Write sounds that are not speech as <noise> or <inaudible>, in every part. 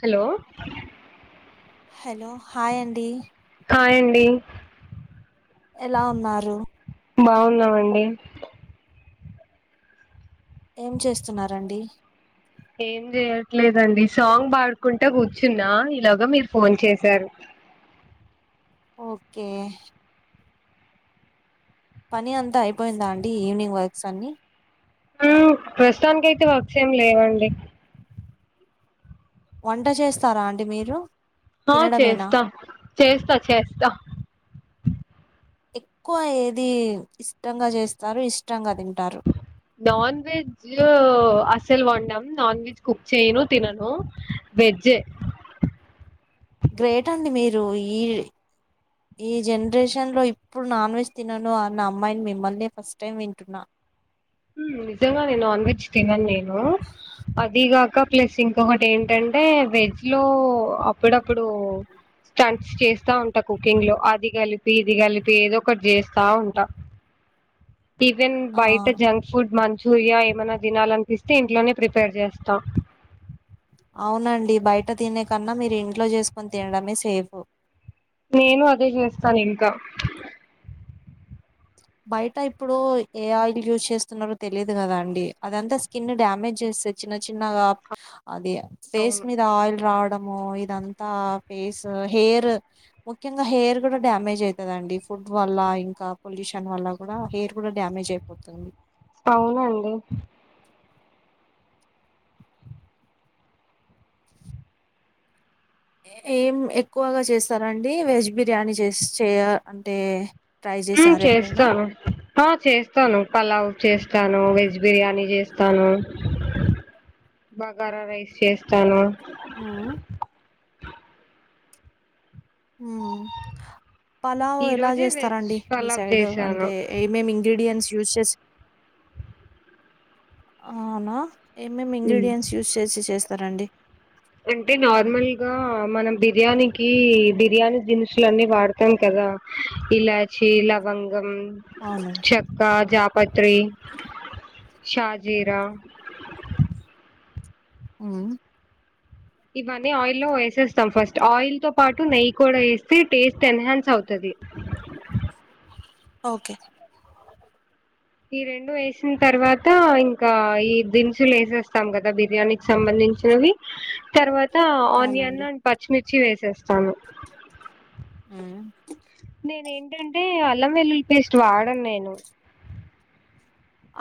Hello hello hi అండి hi అండి ఎలా ఉన్నారు బాగున్నామండి ఏం చేస్తున్నరండి ఏం చేయట్లేదండి సాంగ్ పాడుకుంట కూర్చున్న ఇలాగ మీరు ఫోన్ చేసారు ఓకే పని అంత అయిపోయిందా అండి ఈవినింగ్ వర్క్స్ అన్ని ఉ ప్రస్తుతానికి అయితే వర్క్స్ ఏమి లేవండి వంట చేస్తార అండి మీరు ఆ తినడమేనా చేస్త చేస్త చేస్త ఎక్కువ ఏది ఇష్టంగ చేస్తారు ఇష్టంగ తింటారు నాన్ వెజ్ వెజ్ అస్సలు వండం నాన్ వెజ్ కుక్ చేయను తినను వెజే గ్రేట్ అండి మీరు ఇ ఈ జనరేషన్ లో ఇప్పుడు నాన్ వెజ్ తినను అన్న అమ్మాయిని మిమ్మల్ని ఫస్ట్ టైం వింటున్న నిజంగ నేను నాన్ వెజ్ తినను నేను అది గాక ప్లస్ ఇంకొకటి ఏంటంటే వెజ్ లో అప్పుడప్పుడు స్టంట్స్ చేస్తా ఉంటా కుకింగ్ లో అది కలిపి ఇది కలిపి ఏదో ఒకటి చేస్తా ఉంటా టిఫిన్ ఆ బయట జంక్ ఫుడ్ మంచూరియా ఏమైనా తినాలనిపిస్తే ఇంట్లోనే ప్రిపేర్ చేస్తా అవునండి బయట తినే కన్నా మీరు ఇంట్లో చేసుకొని తినడమే సేఫ్ నేను అదే చేస్తాను ఇంకా బయట ఇప్పుడు ఏ ఆయిల్ యూజ్ చేస్తున్నారో తెలీదు కదా అండి అదంతా స్కిన్ డ్యామేజ్ చేస్తంది చిన్న చిన్నగా అది ఫేస్ అవును మీద ఆయిల్ రావడము ఇదంతా ఫేస్ హెయిర్ ముఖ్యంగా హెయిర్ కూడా డ్యామేజ్ అయితది అండి ఫుడ్ వల్ల ఇంక పొల్యూషన్ దాని వల్ల కూడా హెయిర్ కూడా డ్యామేజ్ అయిపోతుంది అవునండి ఏం ఎక్కువగా చేస్తారండి వెజ్ బిర్యానీ చేసి చేయ అంటే ట్రై హ్మ్ చేసారు ఎప్పుడైనా చేస్తాను ఆ చేస్తాను పలావ్ చేస్తాను వెజ్ బిర్యానీ చేస్తాను బగారా రైస్ చేస్తాను ఆ ఉమ్ పలావు ఈ ఎలా రోజే వెజ్ చేస్తారండి మీ పలావ్ సైడ్ చేశాను అంటే ఏమేమి ఇంగ్రీడియంట్స్ యూస్ చేసి అవునా ఏమేమి హ్మ్ ఇంగ్రీడియంట్స్ యూజ్ చేసి చేస్తారండి అంటే నార్మల్ గా మనం బిర్యానీకి బిర్యానీ దినుసులన్నీ వాడు తాం కదా ఇలాచి లవంగం అవునండి కా జాపత్రి షాజీరా ఉమ్ ఇవన్నీ ఆయిల్లో వేసేస్తాం ఫస్ట్ ఆయిల్ తో పాటు నెయ్యి కూడా వేస్తే టేస్ట్ ఎన్హాన్స్ అవుతది ఓకే ఈ రెండు వేసిన తర్వాత ఇంకా ఈ దినుసులు వేసేస్తాం కదా బిర్యానీకి సంబంధించినవి తర్వాత ఆనియన్ అవునండి అండ్ పచ్చిమిర్చి వేసేస్తాను ఉమ్ నేను ఏంటంటే అల్లం వెల్లులి పేస్ట్ వాడను నేను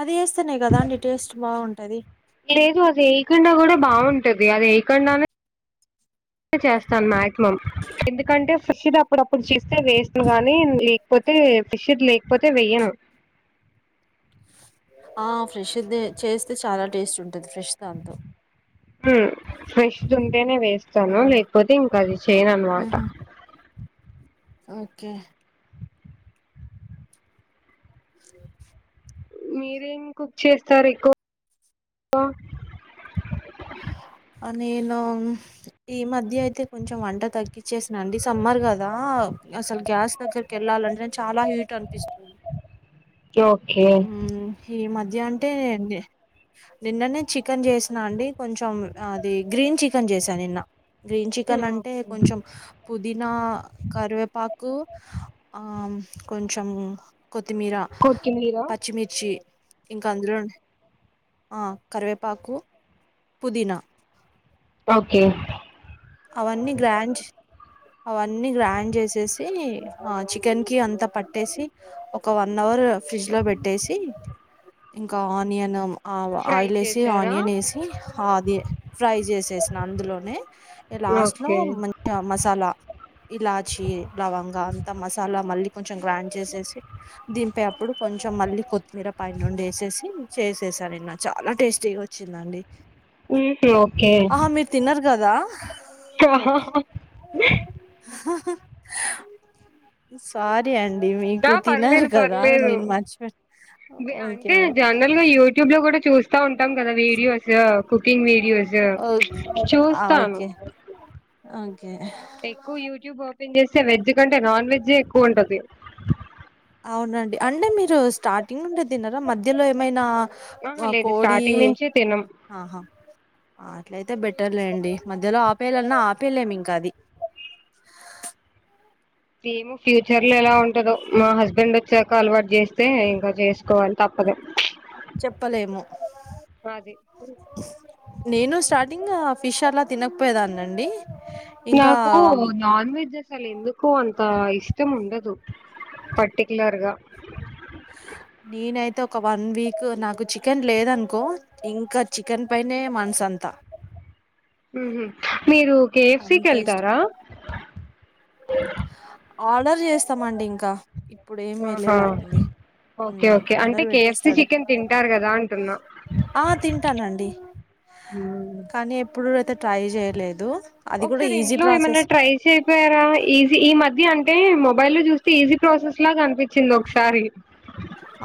అది వేస్తనే కదా అండి టేస్ట్ బాగుంటది లేదు అది వేయకుండా కూడా బాగుంటది అది వేయకుండానే చేస్తాను మాక్సిమం ఎందుకంటే ఫ్రెష్ ది అప్పుడప్పుడు చేస్తే టేస్ట్ గానీ లే లేకపోతే ఫ్రెష్ గా లేకపోతే వెయ్యను ఆ ఫ్రెష్ దే చేస్తే చాలా టేస్ట్ ఉంటది ఫ్రెష్ దాంతో ఫ్రెష్ తింటేనే వేస్తాను ఉమ్. లేకపోతే ఇంకా అది చేయను అనమాట ఉహు ఓకే మీరేం కుక్ చేస్తారు ఎక్కువగా ఆ నేను ఈ మధ్య అయితే కొంచెం వంట తగ్గచ్చేసినండి సమ్మర్ కదా అసలు గ్యాస్ దగ్గరికి వెళ్లంటేనే చాలా హీట్ అనిపిస్తుంది ఓకే ఉమ్ ఈ మధ్య అంటే నిన్ననే చికెన్ చేసినా అండి కొంచెం ఆ అది గ్రీన్ చికెన్ చేసా నిన్న గ్రీన్ చికెన్ అంటే ఓకే కొంచెం. పుదీనా కరివేపాకు. ఆ కొంచం కొత్తిమీర, కొత్తిమీర పచ్చిమిర్చి. ఇంక అందులోనే. ఆ కరివేపాకు పుదీన. ఓకే. అవన్నీ గ్రాండ్ అవన్నీ గ్రాండ్ చేసేసి. ఆ చికెన్ కి అంతా పట్టేసి. ఒక వన్ అవర్ ఫ్రిడ్జ్ లో పెట్టేసి ఇంక ఆనియన్. ఆ ఫ్రై ఆయిల్ ఏసి చేసారా ఆనియన్ ఏసి ఆది ఫ్రై చేసేసిన అందులోనే. ఇగ లాస్ట్ లో ఓకే మంచిగా మసాలా. ఇలాచి లవంగా అంత మసాలా మళ్ళీ కొంచెం గ్రాండ్ చేసేసి. దింపే అప్పుడు కొంచెం మళ్ళీ కొత్తిమీర పైనుండి ఏసేసి చేసేసా నిన్న చాలా టేస్టీగా. వచ్చిందండి. ఓకే ఆహా మీరు తినరు కదా. ఓకే. సారీ అండి మీకు తినరు పర్లేదు కదా నేను పర్లేదు మర్చిపోయిన. Okay okay. నేను యూట్యూబ్ లో కూడా చూస్. స్తా ఉంటాం కదా వీడియోసు కుకింగ్ వీడియోసు ఓ ఆ చూస్తాను. Okay okay. ఎక్కువ యూట్యూబ్ ఓపెన్ చేస్తే వెజ్ కంటే నాన్ వెజ్ఏ ఎక్కువ ఉంటది. అవునండి అంటే మీరు స్టార్టింగ్ నుండే తినరా మధ్యలో ఏమైనా. ఆహ ఆ లేదు కోడి స్టార్టింగ్ నించే తినం. ఆహా అట్లయితే బెటర్లేండి మధ్యలో ఆపేయాలన్న ఆపేయలేమ్ ఇంకా అది. ఏమో ఫ్యూచర్ లో ఎలా ఉంటదొ మా హస్బెండ్ వచ్చాక అలవాటు చేస్తే ఇంక చేసుకోవాలి తప్పదు. చెప్పలేము. అది నేను స్టార్టింగ్ఆ ఫిష్ అలా తినకపోయే దాన్ని అండి. నాకు నాన్ వెజ్ అసలు ఎందుకో అంత ఇష్టం ఉండదు. పర్టిక్లర్గా. నేనైతే ఒక వన్ వీక్. నాకు చికెన్ లేదనుకో. ఇంక చికెన్ పైనే మనసంత. ఉహు మీరు కేె ఫ్ సి కి అంత ఇష్టం ఎళ్తారా. ఆర్డర్ చేస్తామండి ఇంక ఇప్పుడు ఏం ఆహా ఎళ్ళేలాగుంది. ఓకే ఓకే అంటే కే ఫ్ సి చికెన్ తింటారు కదా అంటున్నా. ఆ తింటానండి మ్మ్. కానీ ఎప్పుడయితే ట్రై చేయలేదు. అది కూడా ఒకసారి ఈజీ ఇంట్లో ఏమైనా ప్రాసెస్ ట్రై. చెయకపోయారా ఈజీ ఈ మధ్య అంటే మొబైల్ లో చూస్తే ఈజీ ప్రాసెస్ లాగా అనిపి. చింది ఒకసారి.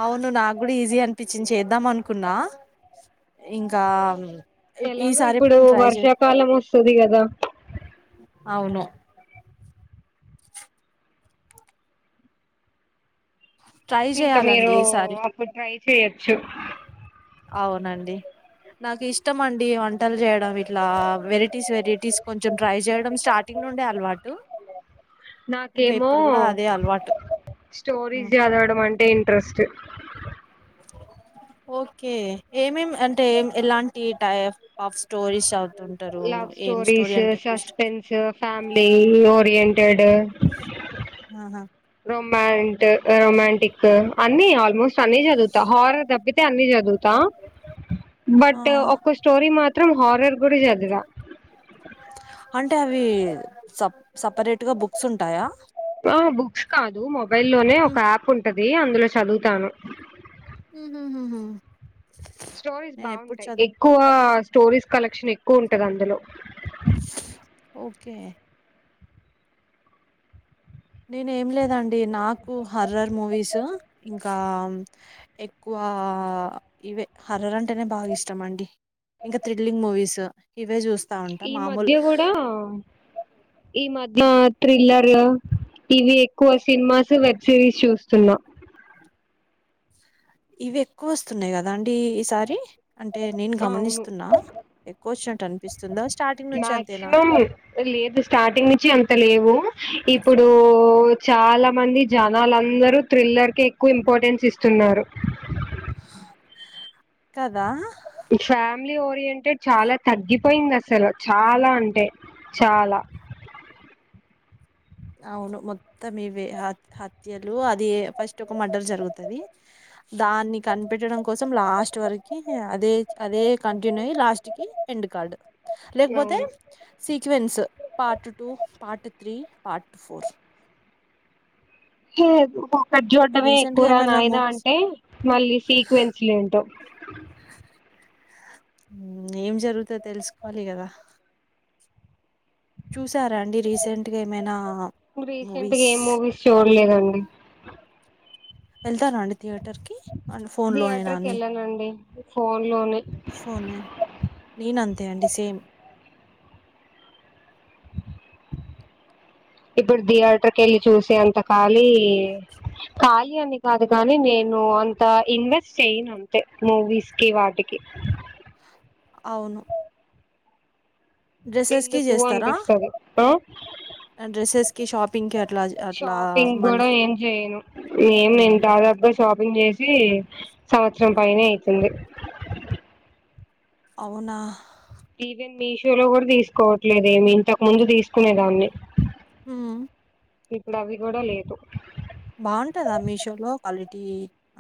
అవును నాకు కూడా ఈజీ అనిపించింది చేద్దాం అనుకున్నా ఇంకా. ఈ- ఎలాగో ఈసారి ఇప్పుడు ఎప్పుడైనా ట్రై చే వర్షాకాలం వస్తది కదా. అవును ట్రై ఇంకా మీరు చేయాలండి ఈసారి అప్పుడు ట్రై చేయొచ్చు. అవునండి. నాకు ఇష్టం అండి వంటలు చేయడం ఇట్లా వెరైటీస్ వెరైటీస్ కొంచెం ట్రై చేయడం స్టార్ట్. నుండే అలవాటు. <unintelligible> ఇంకా నాకేమో, ఇప్పుడు కూడా అదే అలవాటు ఆ స్టోరీస్ చదవడం అంటే ఇంట్రెస్ట్. ఓకే ఏం ఏం అంటే ఎలాంటి టైప్ ఆఫ్ స్టోరీస్ చదువు అంటారు, ఏం స్టోరీ అంటే ఇంట్రెస్ట్. Family oriented. ఔనా రొమాంట్, రొమాంటిక్ అన్ని ఆల్మోస్ట్. అన్నీ చదువుతా, హారర్ తబ్బితే అన్ని చదువుతా. ఆ బట్, ఒక స్టోరీ మాత్రం హారర్ కూడా చదవ. అంటే అవి సప్ సపరేట్ గా బుక్స్ ఉంటాయా? ఆ బుక్స్ కాదు మొబైల్ లోనే ఒక యాప్ ఉంటది అందులో చదువుతాను. ఉహు హు హు స్టోరీస్ బాగుంటాయి ఎక్కువ స్టోరీస్ కలెక్షన్ ఎక్కువ ఉంటది అందులో. ఓకే నేను ఏం లేదండి, నాకు హర్రర్ మూవీస్ ఇంకా ఎక్కువ ఇవే హారర్ అంటేనే బాగా ఇష్టం అండి ఇంకా థ్రిల్లింగ్ మూవీస్ ఇవే చూస్తా ఉంట మామూలు. బ ఈ మధ్య థ్రిల్లర్ ఇవి ఎక్కువ సినిమాస్ వెబ్ సిరీస్ చూస్తున్నా. ఇవి ఎక్కువ వస్తున్నాయి కదా అండి. ఈ సారి అంటే నేను అవును గమనిస్తున్నా ఎక్కువ వచ్చినట్టు అనిపిస్తుందా స్టార్టింగ్ నుంచి అంతేనా. మాక్సిమం లేదు స్టార్టింగ్ నుంచి అంత లేవు, ఇప్పుడు చాలా మంది జనలందరూ. థ్రిల్లర్ కి ఎక్కువ ఇంపార్టెన్స్ ఇస్తున్నారు. కదా ఫ్యామిలీ ఓరియంటెడ్ చాలా తగ్గిపోయింది అసలు చాలా అంటే చాలా. అవును మొత్తం ఇవే హత్యలు అది ఫస్ట్ ఒక మర్డర్ జరుగుతది. దాన్ని కనిపెట్టడం కోసం లాస్ట్ వరకి అదే అదే కంటిన్యూ అయ్యి లాస్ట్ కి. ఎండ్ కార్డ్ లేకపోతే అవును sequence part two part three part four లేదు ఒకటి చూడ్డమే రీసెంట్ గా ఎక్కువరా ఏమైనా నాయనా మూవీస్ అంటే మళ్ళీ సీక్వెన్స్ ఏంటో? ఏం జరుగుతది? తెలుసుకోవాలి కదా చూసారా అండి రీసెంట్గా ఏమైనా రీసెంట్ గా మూవీస్. ఏం మూవీస్ చూడలేదండి వెళ్తారండి థియేటర్ కి. థియేటర్కి వెళ్ళానండి, ఫోన్ లోనే. ఫోనే, నేను అంతే అండి సేమ్. ఇప్పుడు థియేటర్ క వెళ్ళి చూసే అంత ఖాళీ ఖాళీ అని కాదు గాని నేను అంత ఇన్వెస్ట్ చేయను. అంటే ఈసీ మూవీస్ కి వాటికి అవును డ్రెస్సెస్కి ఎందుకు చేస్తారా అనిపిస్తాది. ఆ డ్రెస్సెస్కి షాపింగ్కి అట్లా అట్లా షాపింగ్ మనీ కూడా ఏం చేయను ఏము నేను మ్మ్ దాదాప్ షాపింగ్ చేసి, సంవత్సరం పైనే అయితుంది. అవునా. ఈవెన్ మీషో లో కూడా తీసుకోవట్లేదు ఏమి ఇంతకు ముందు తీసుకునే దాన్ని. ఊ ఇప్పుడు అవి కూడా లేదు బాగుంటుందా మీషోలో క్వాలిటీ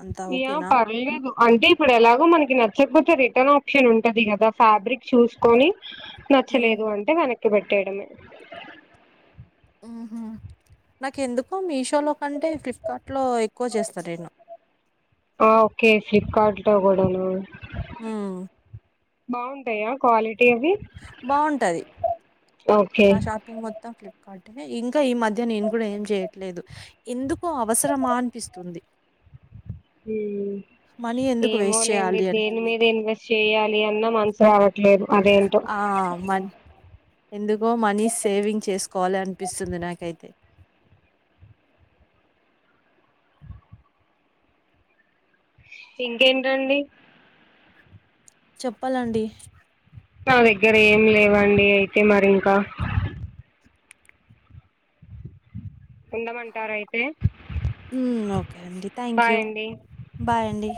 అంతా ఇయా ఓకేనా పర్లేదు అంటే ఇప్పుడు ఎలాగో మనకి నచ్చకపోతే రిటర్న్ ఆప్షన్ ఉంటది కదా ఫ్యాబ్రిక్ చూసుకొని మ్మ్ నచ్చలేదు అంటే వెనక్కి పెట్టేయడమే ఉహు నాకు ఎందుకు మీషోలో కంటే ఫ్లిప్కార్ట్ లో ఎక్కువ చేస్తారు నేను ఓకే ఫ్లిప్కార్ట్లో కూడానా మ్మ్ బాగుంటాయా క్వాలిటీ ఇవ్వి బాగుంటది ఓకే నా షాపింగ్ మొత్తం ఫ్లిప్ అంటే ఇంక ఈ మధ్య నేను కూడా ఏం చేయట్లేదు ఎందుకో అవసరమా అనిపిస్తుంది మనీ ఎందుకు ఏమో వేస్ట్ లేండి చేయాలి అని దేని మీద ఇన్వెస్ట్ చేయాలి అన్న మనసు రావ ఆ మ ఎందుకో మనీ సేవింగ్ చేసుకోవాలి అనిపిస్తుంది నాకైతే ఇంకేంటండి చెప్పాలండి నా దగ్గర ఏమి లేవండి అయితే మరి ఇంక ఉండమంటారా అయి తే ఓకే అండి థ్యాంక్ యూ అండి బాయ్ అండి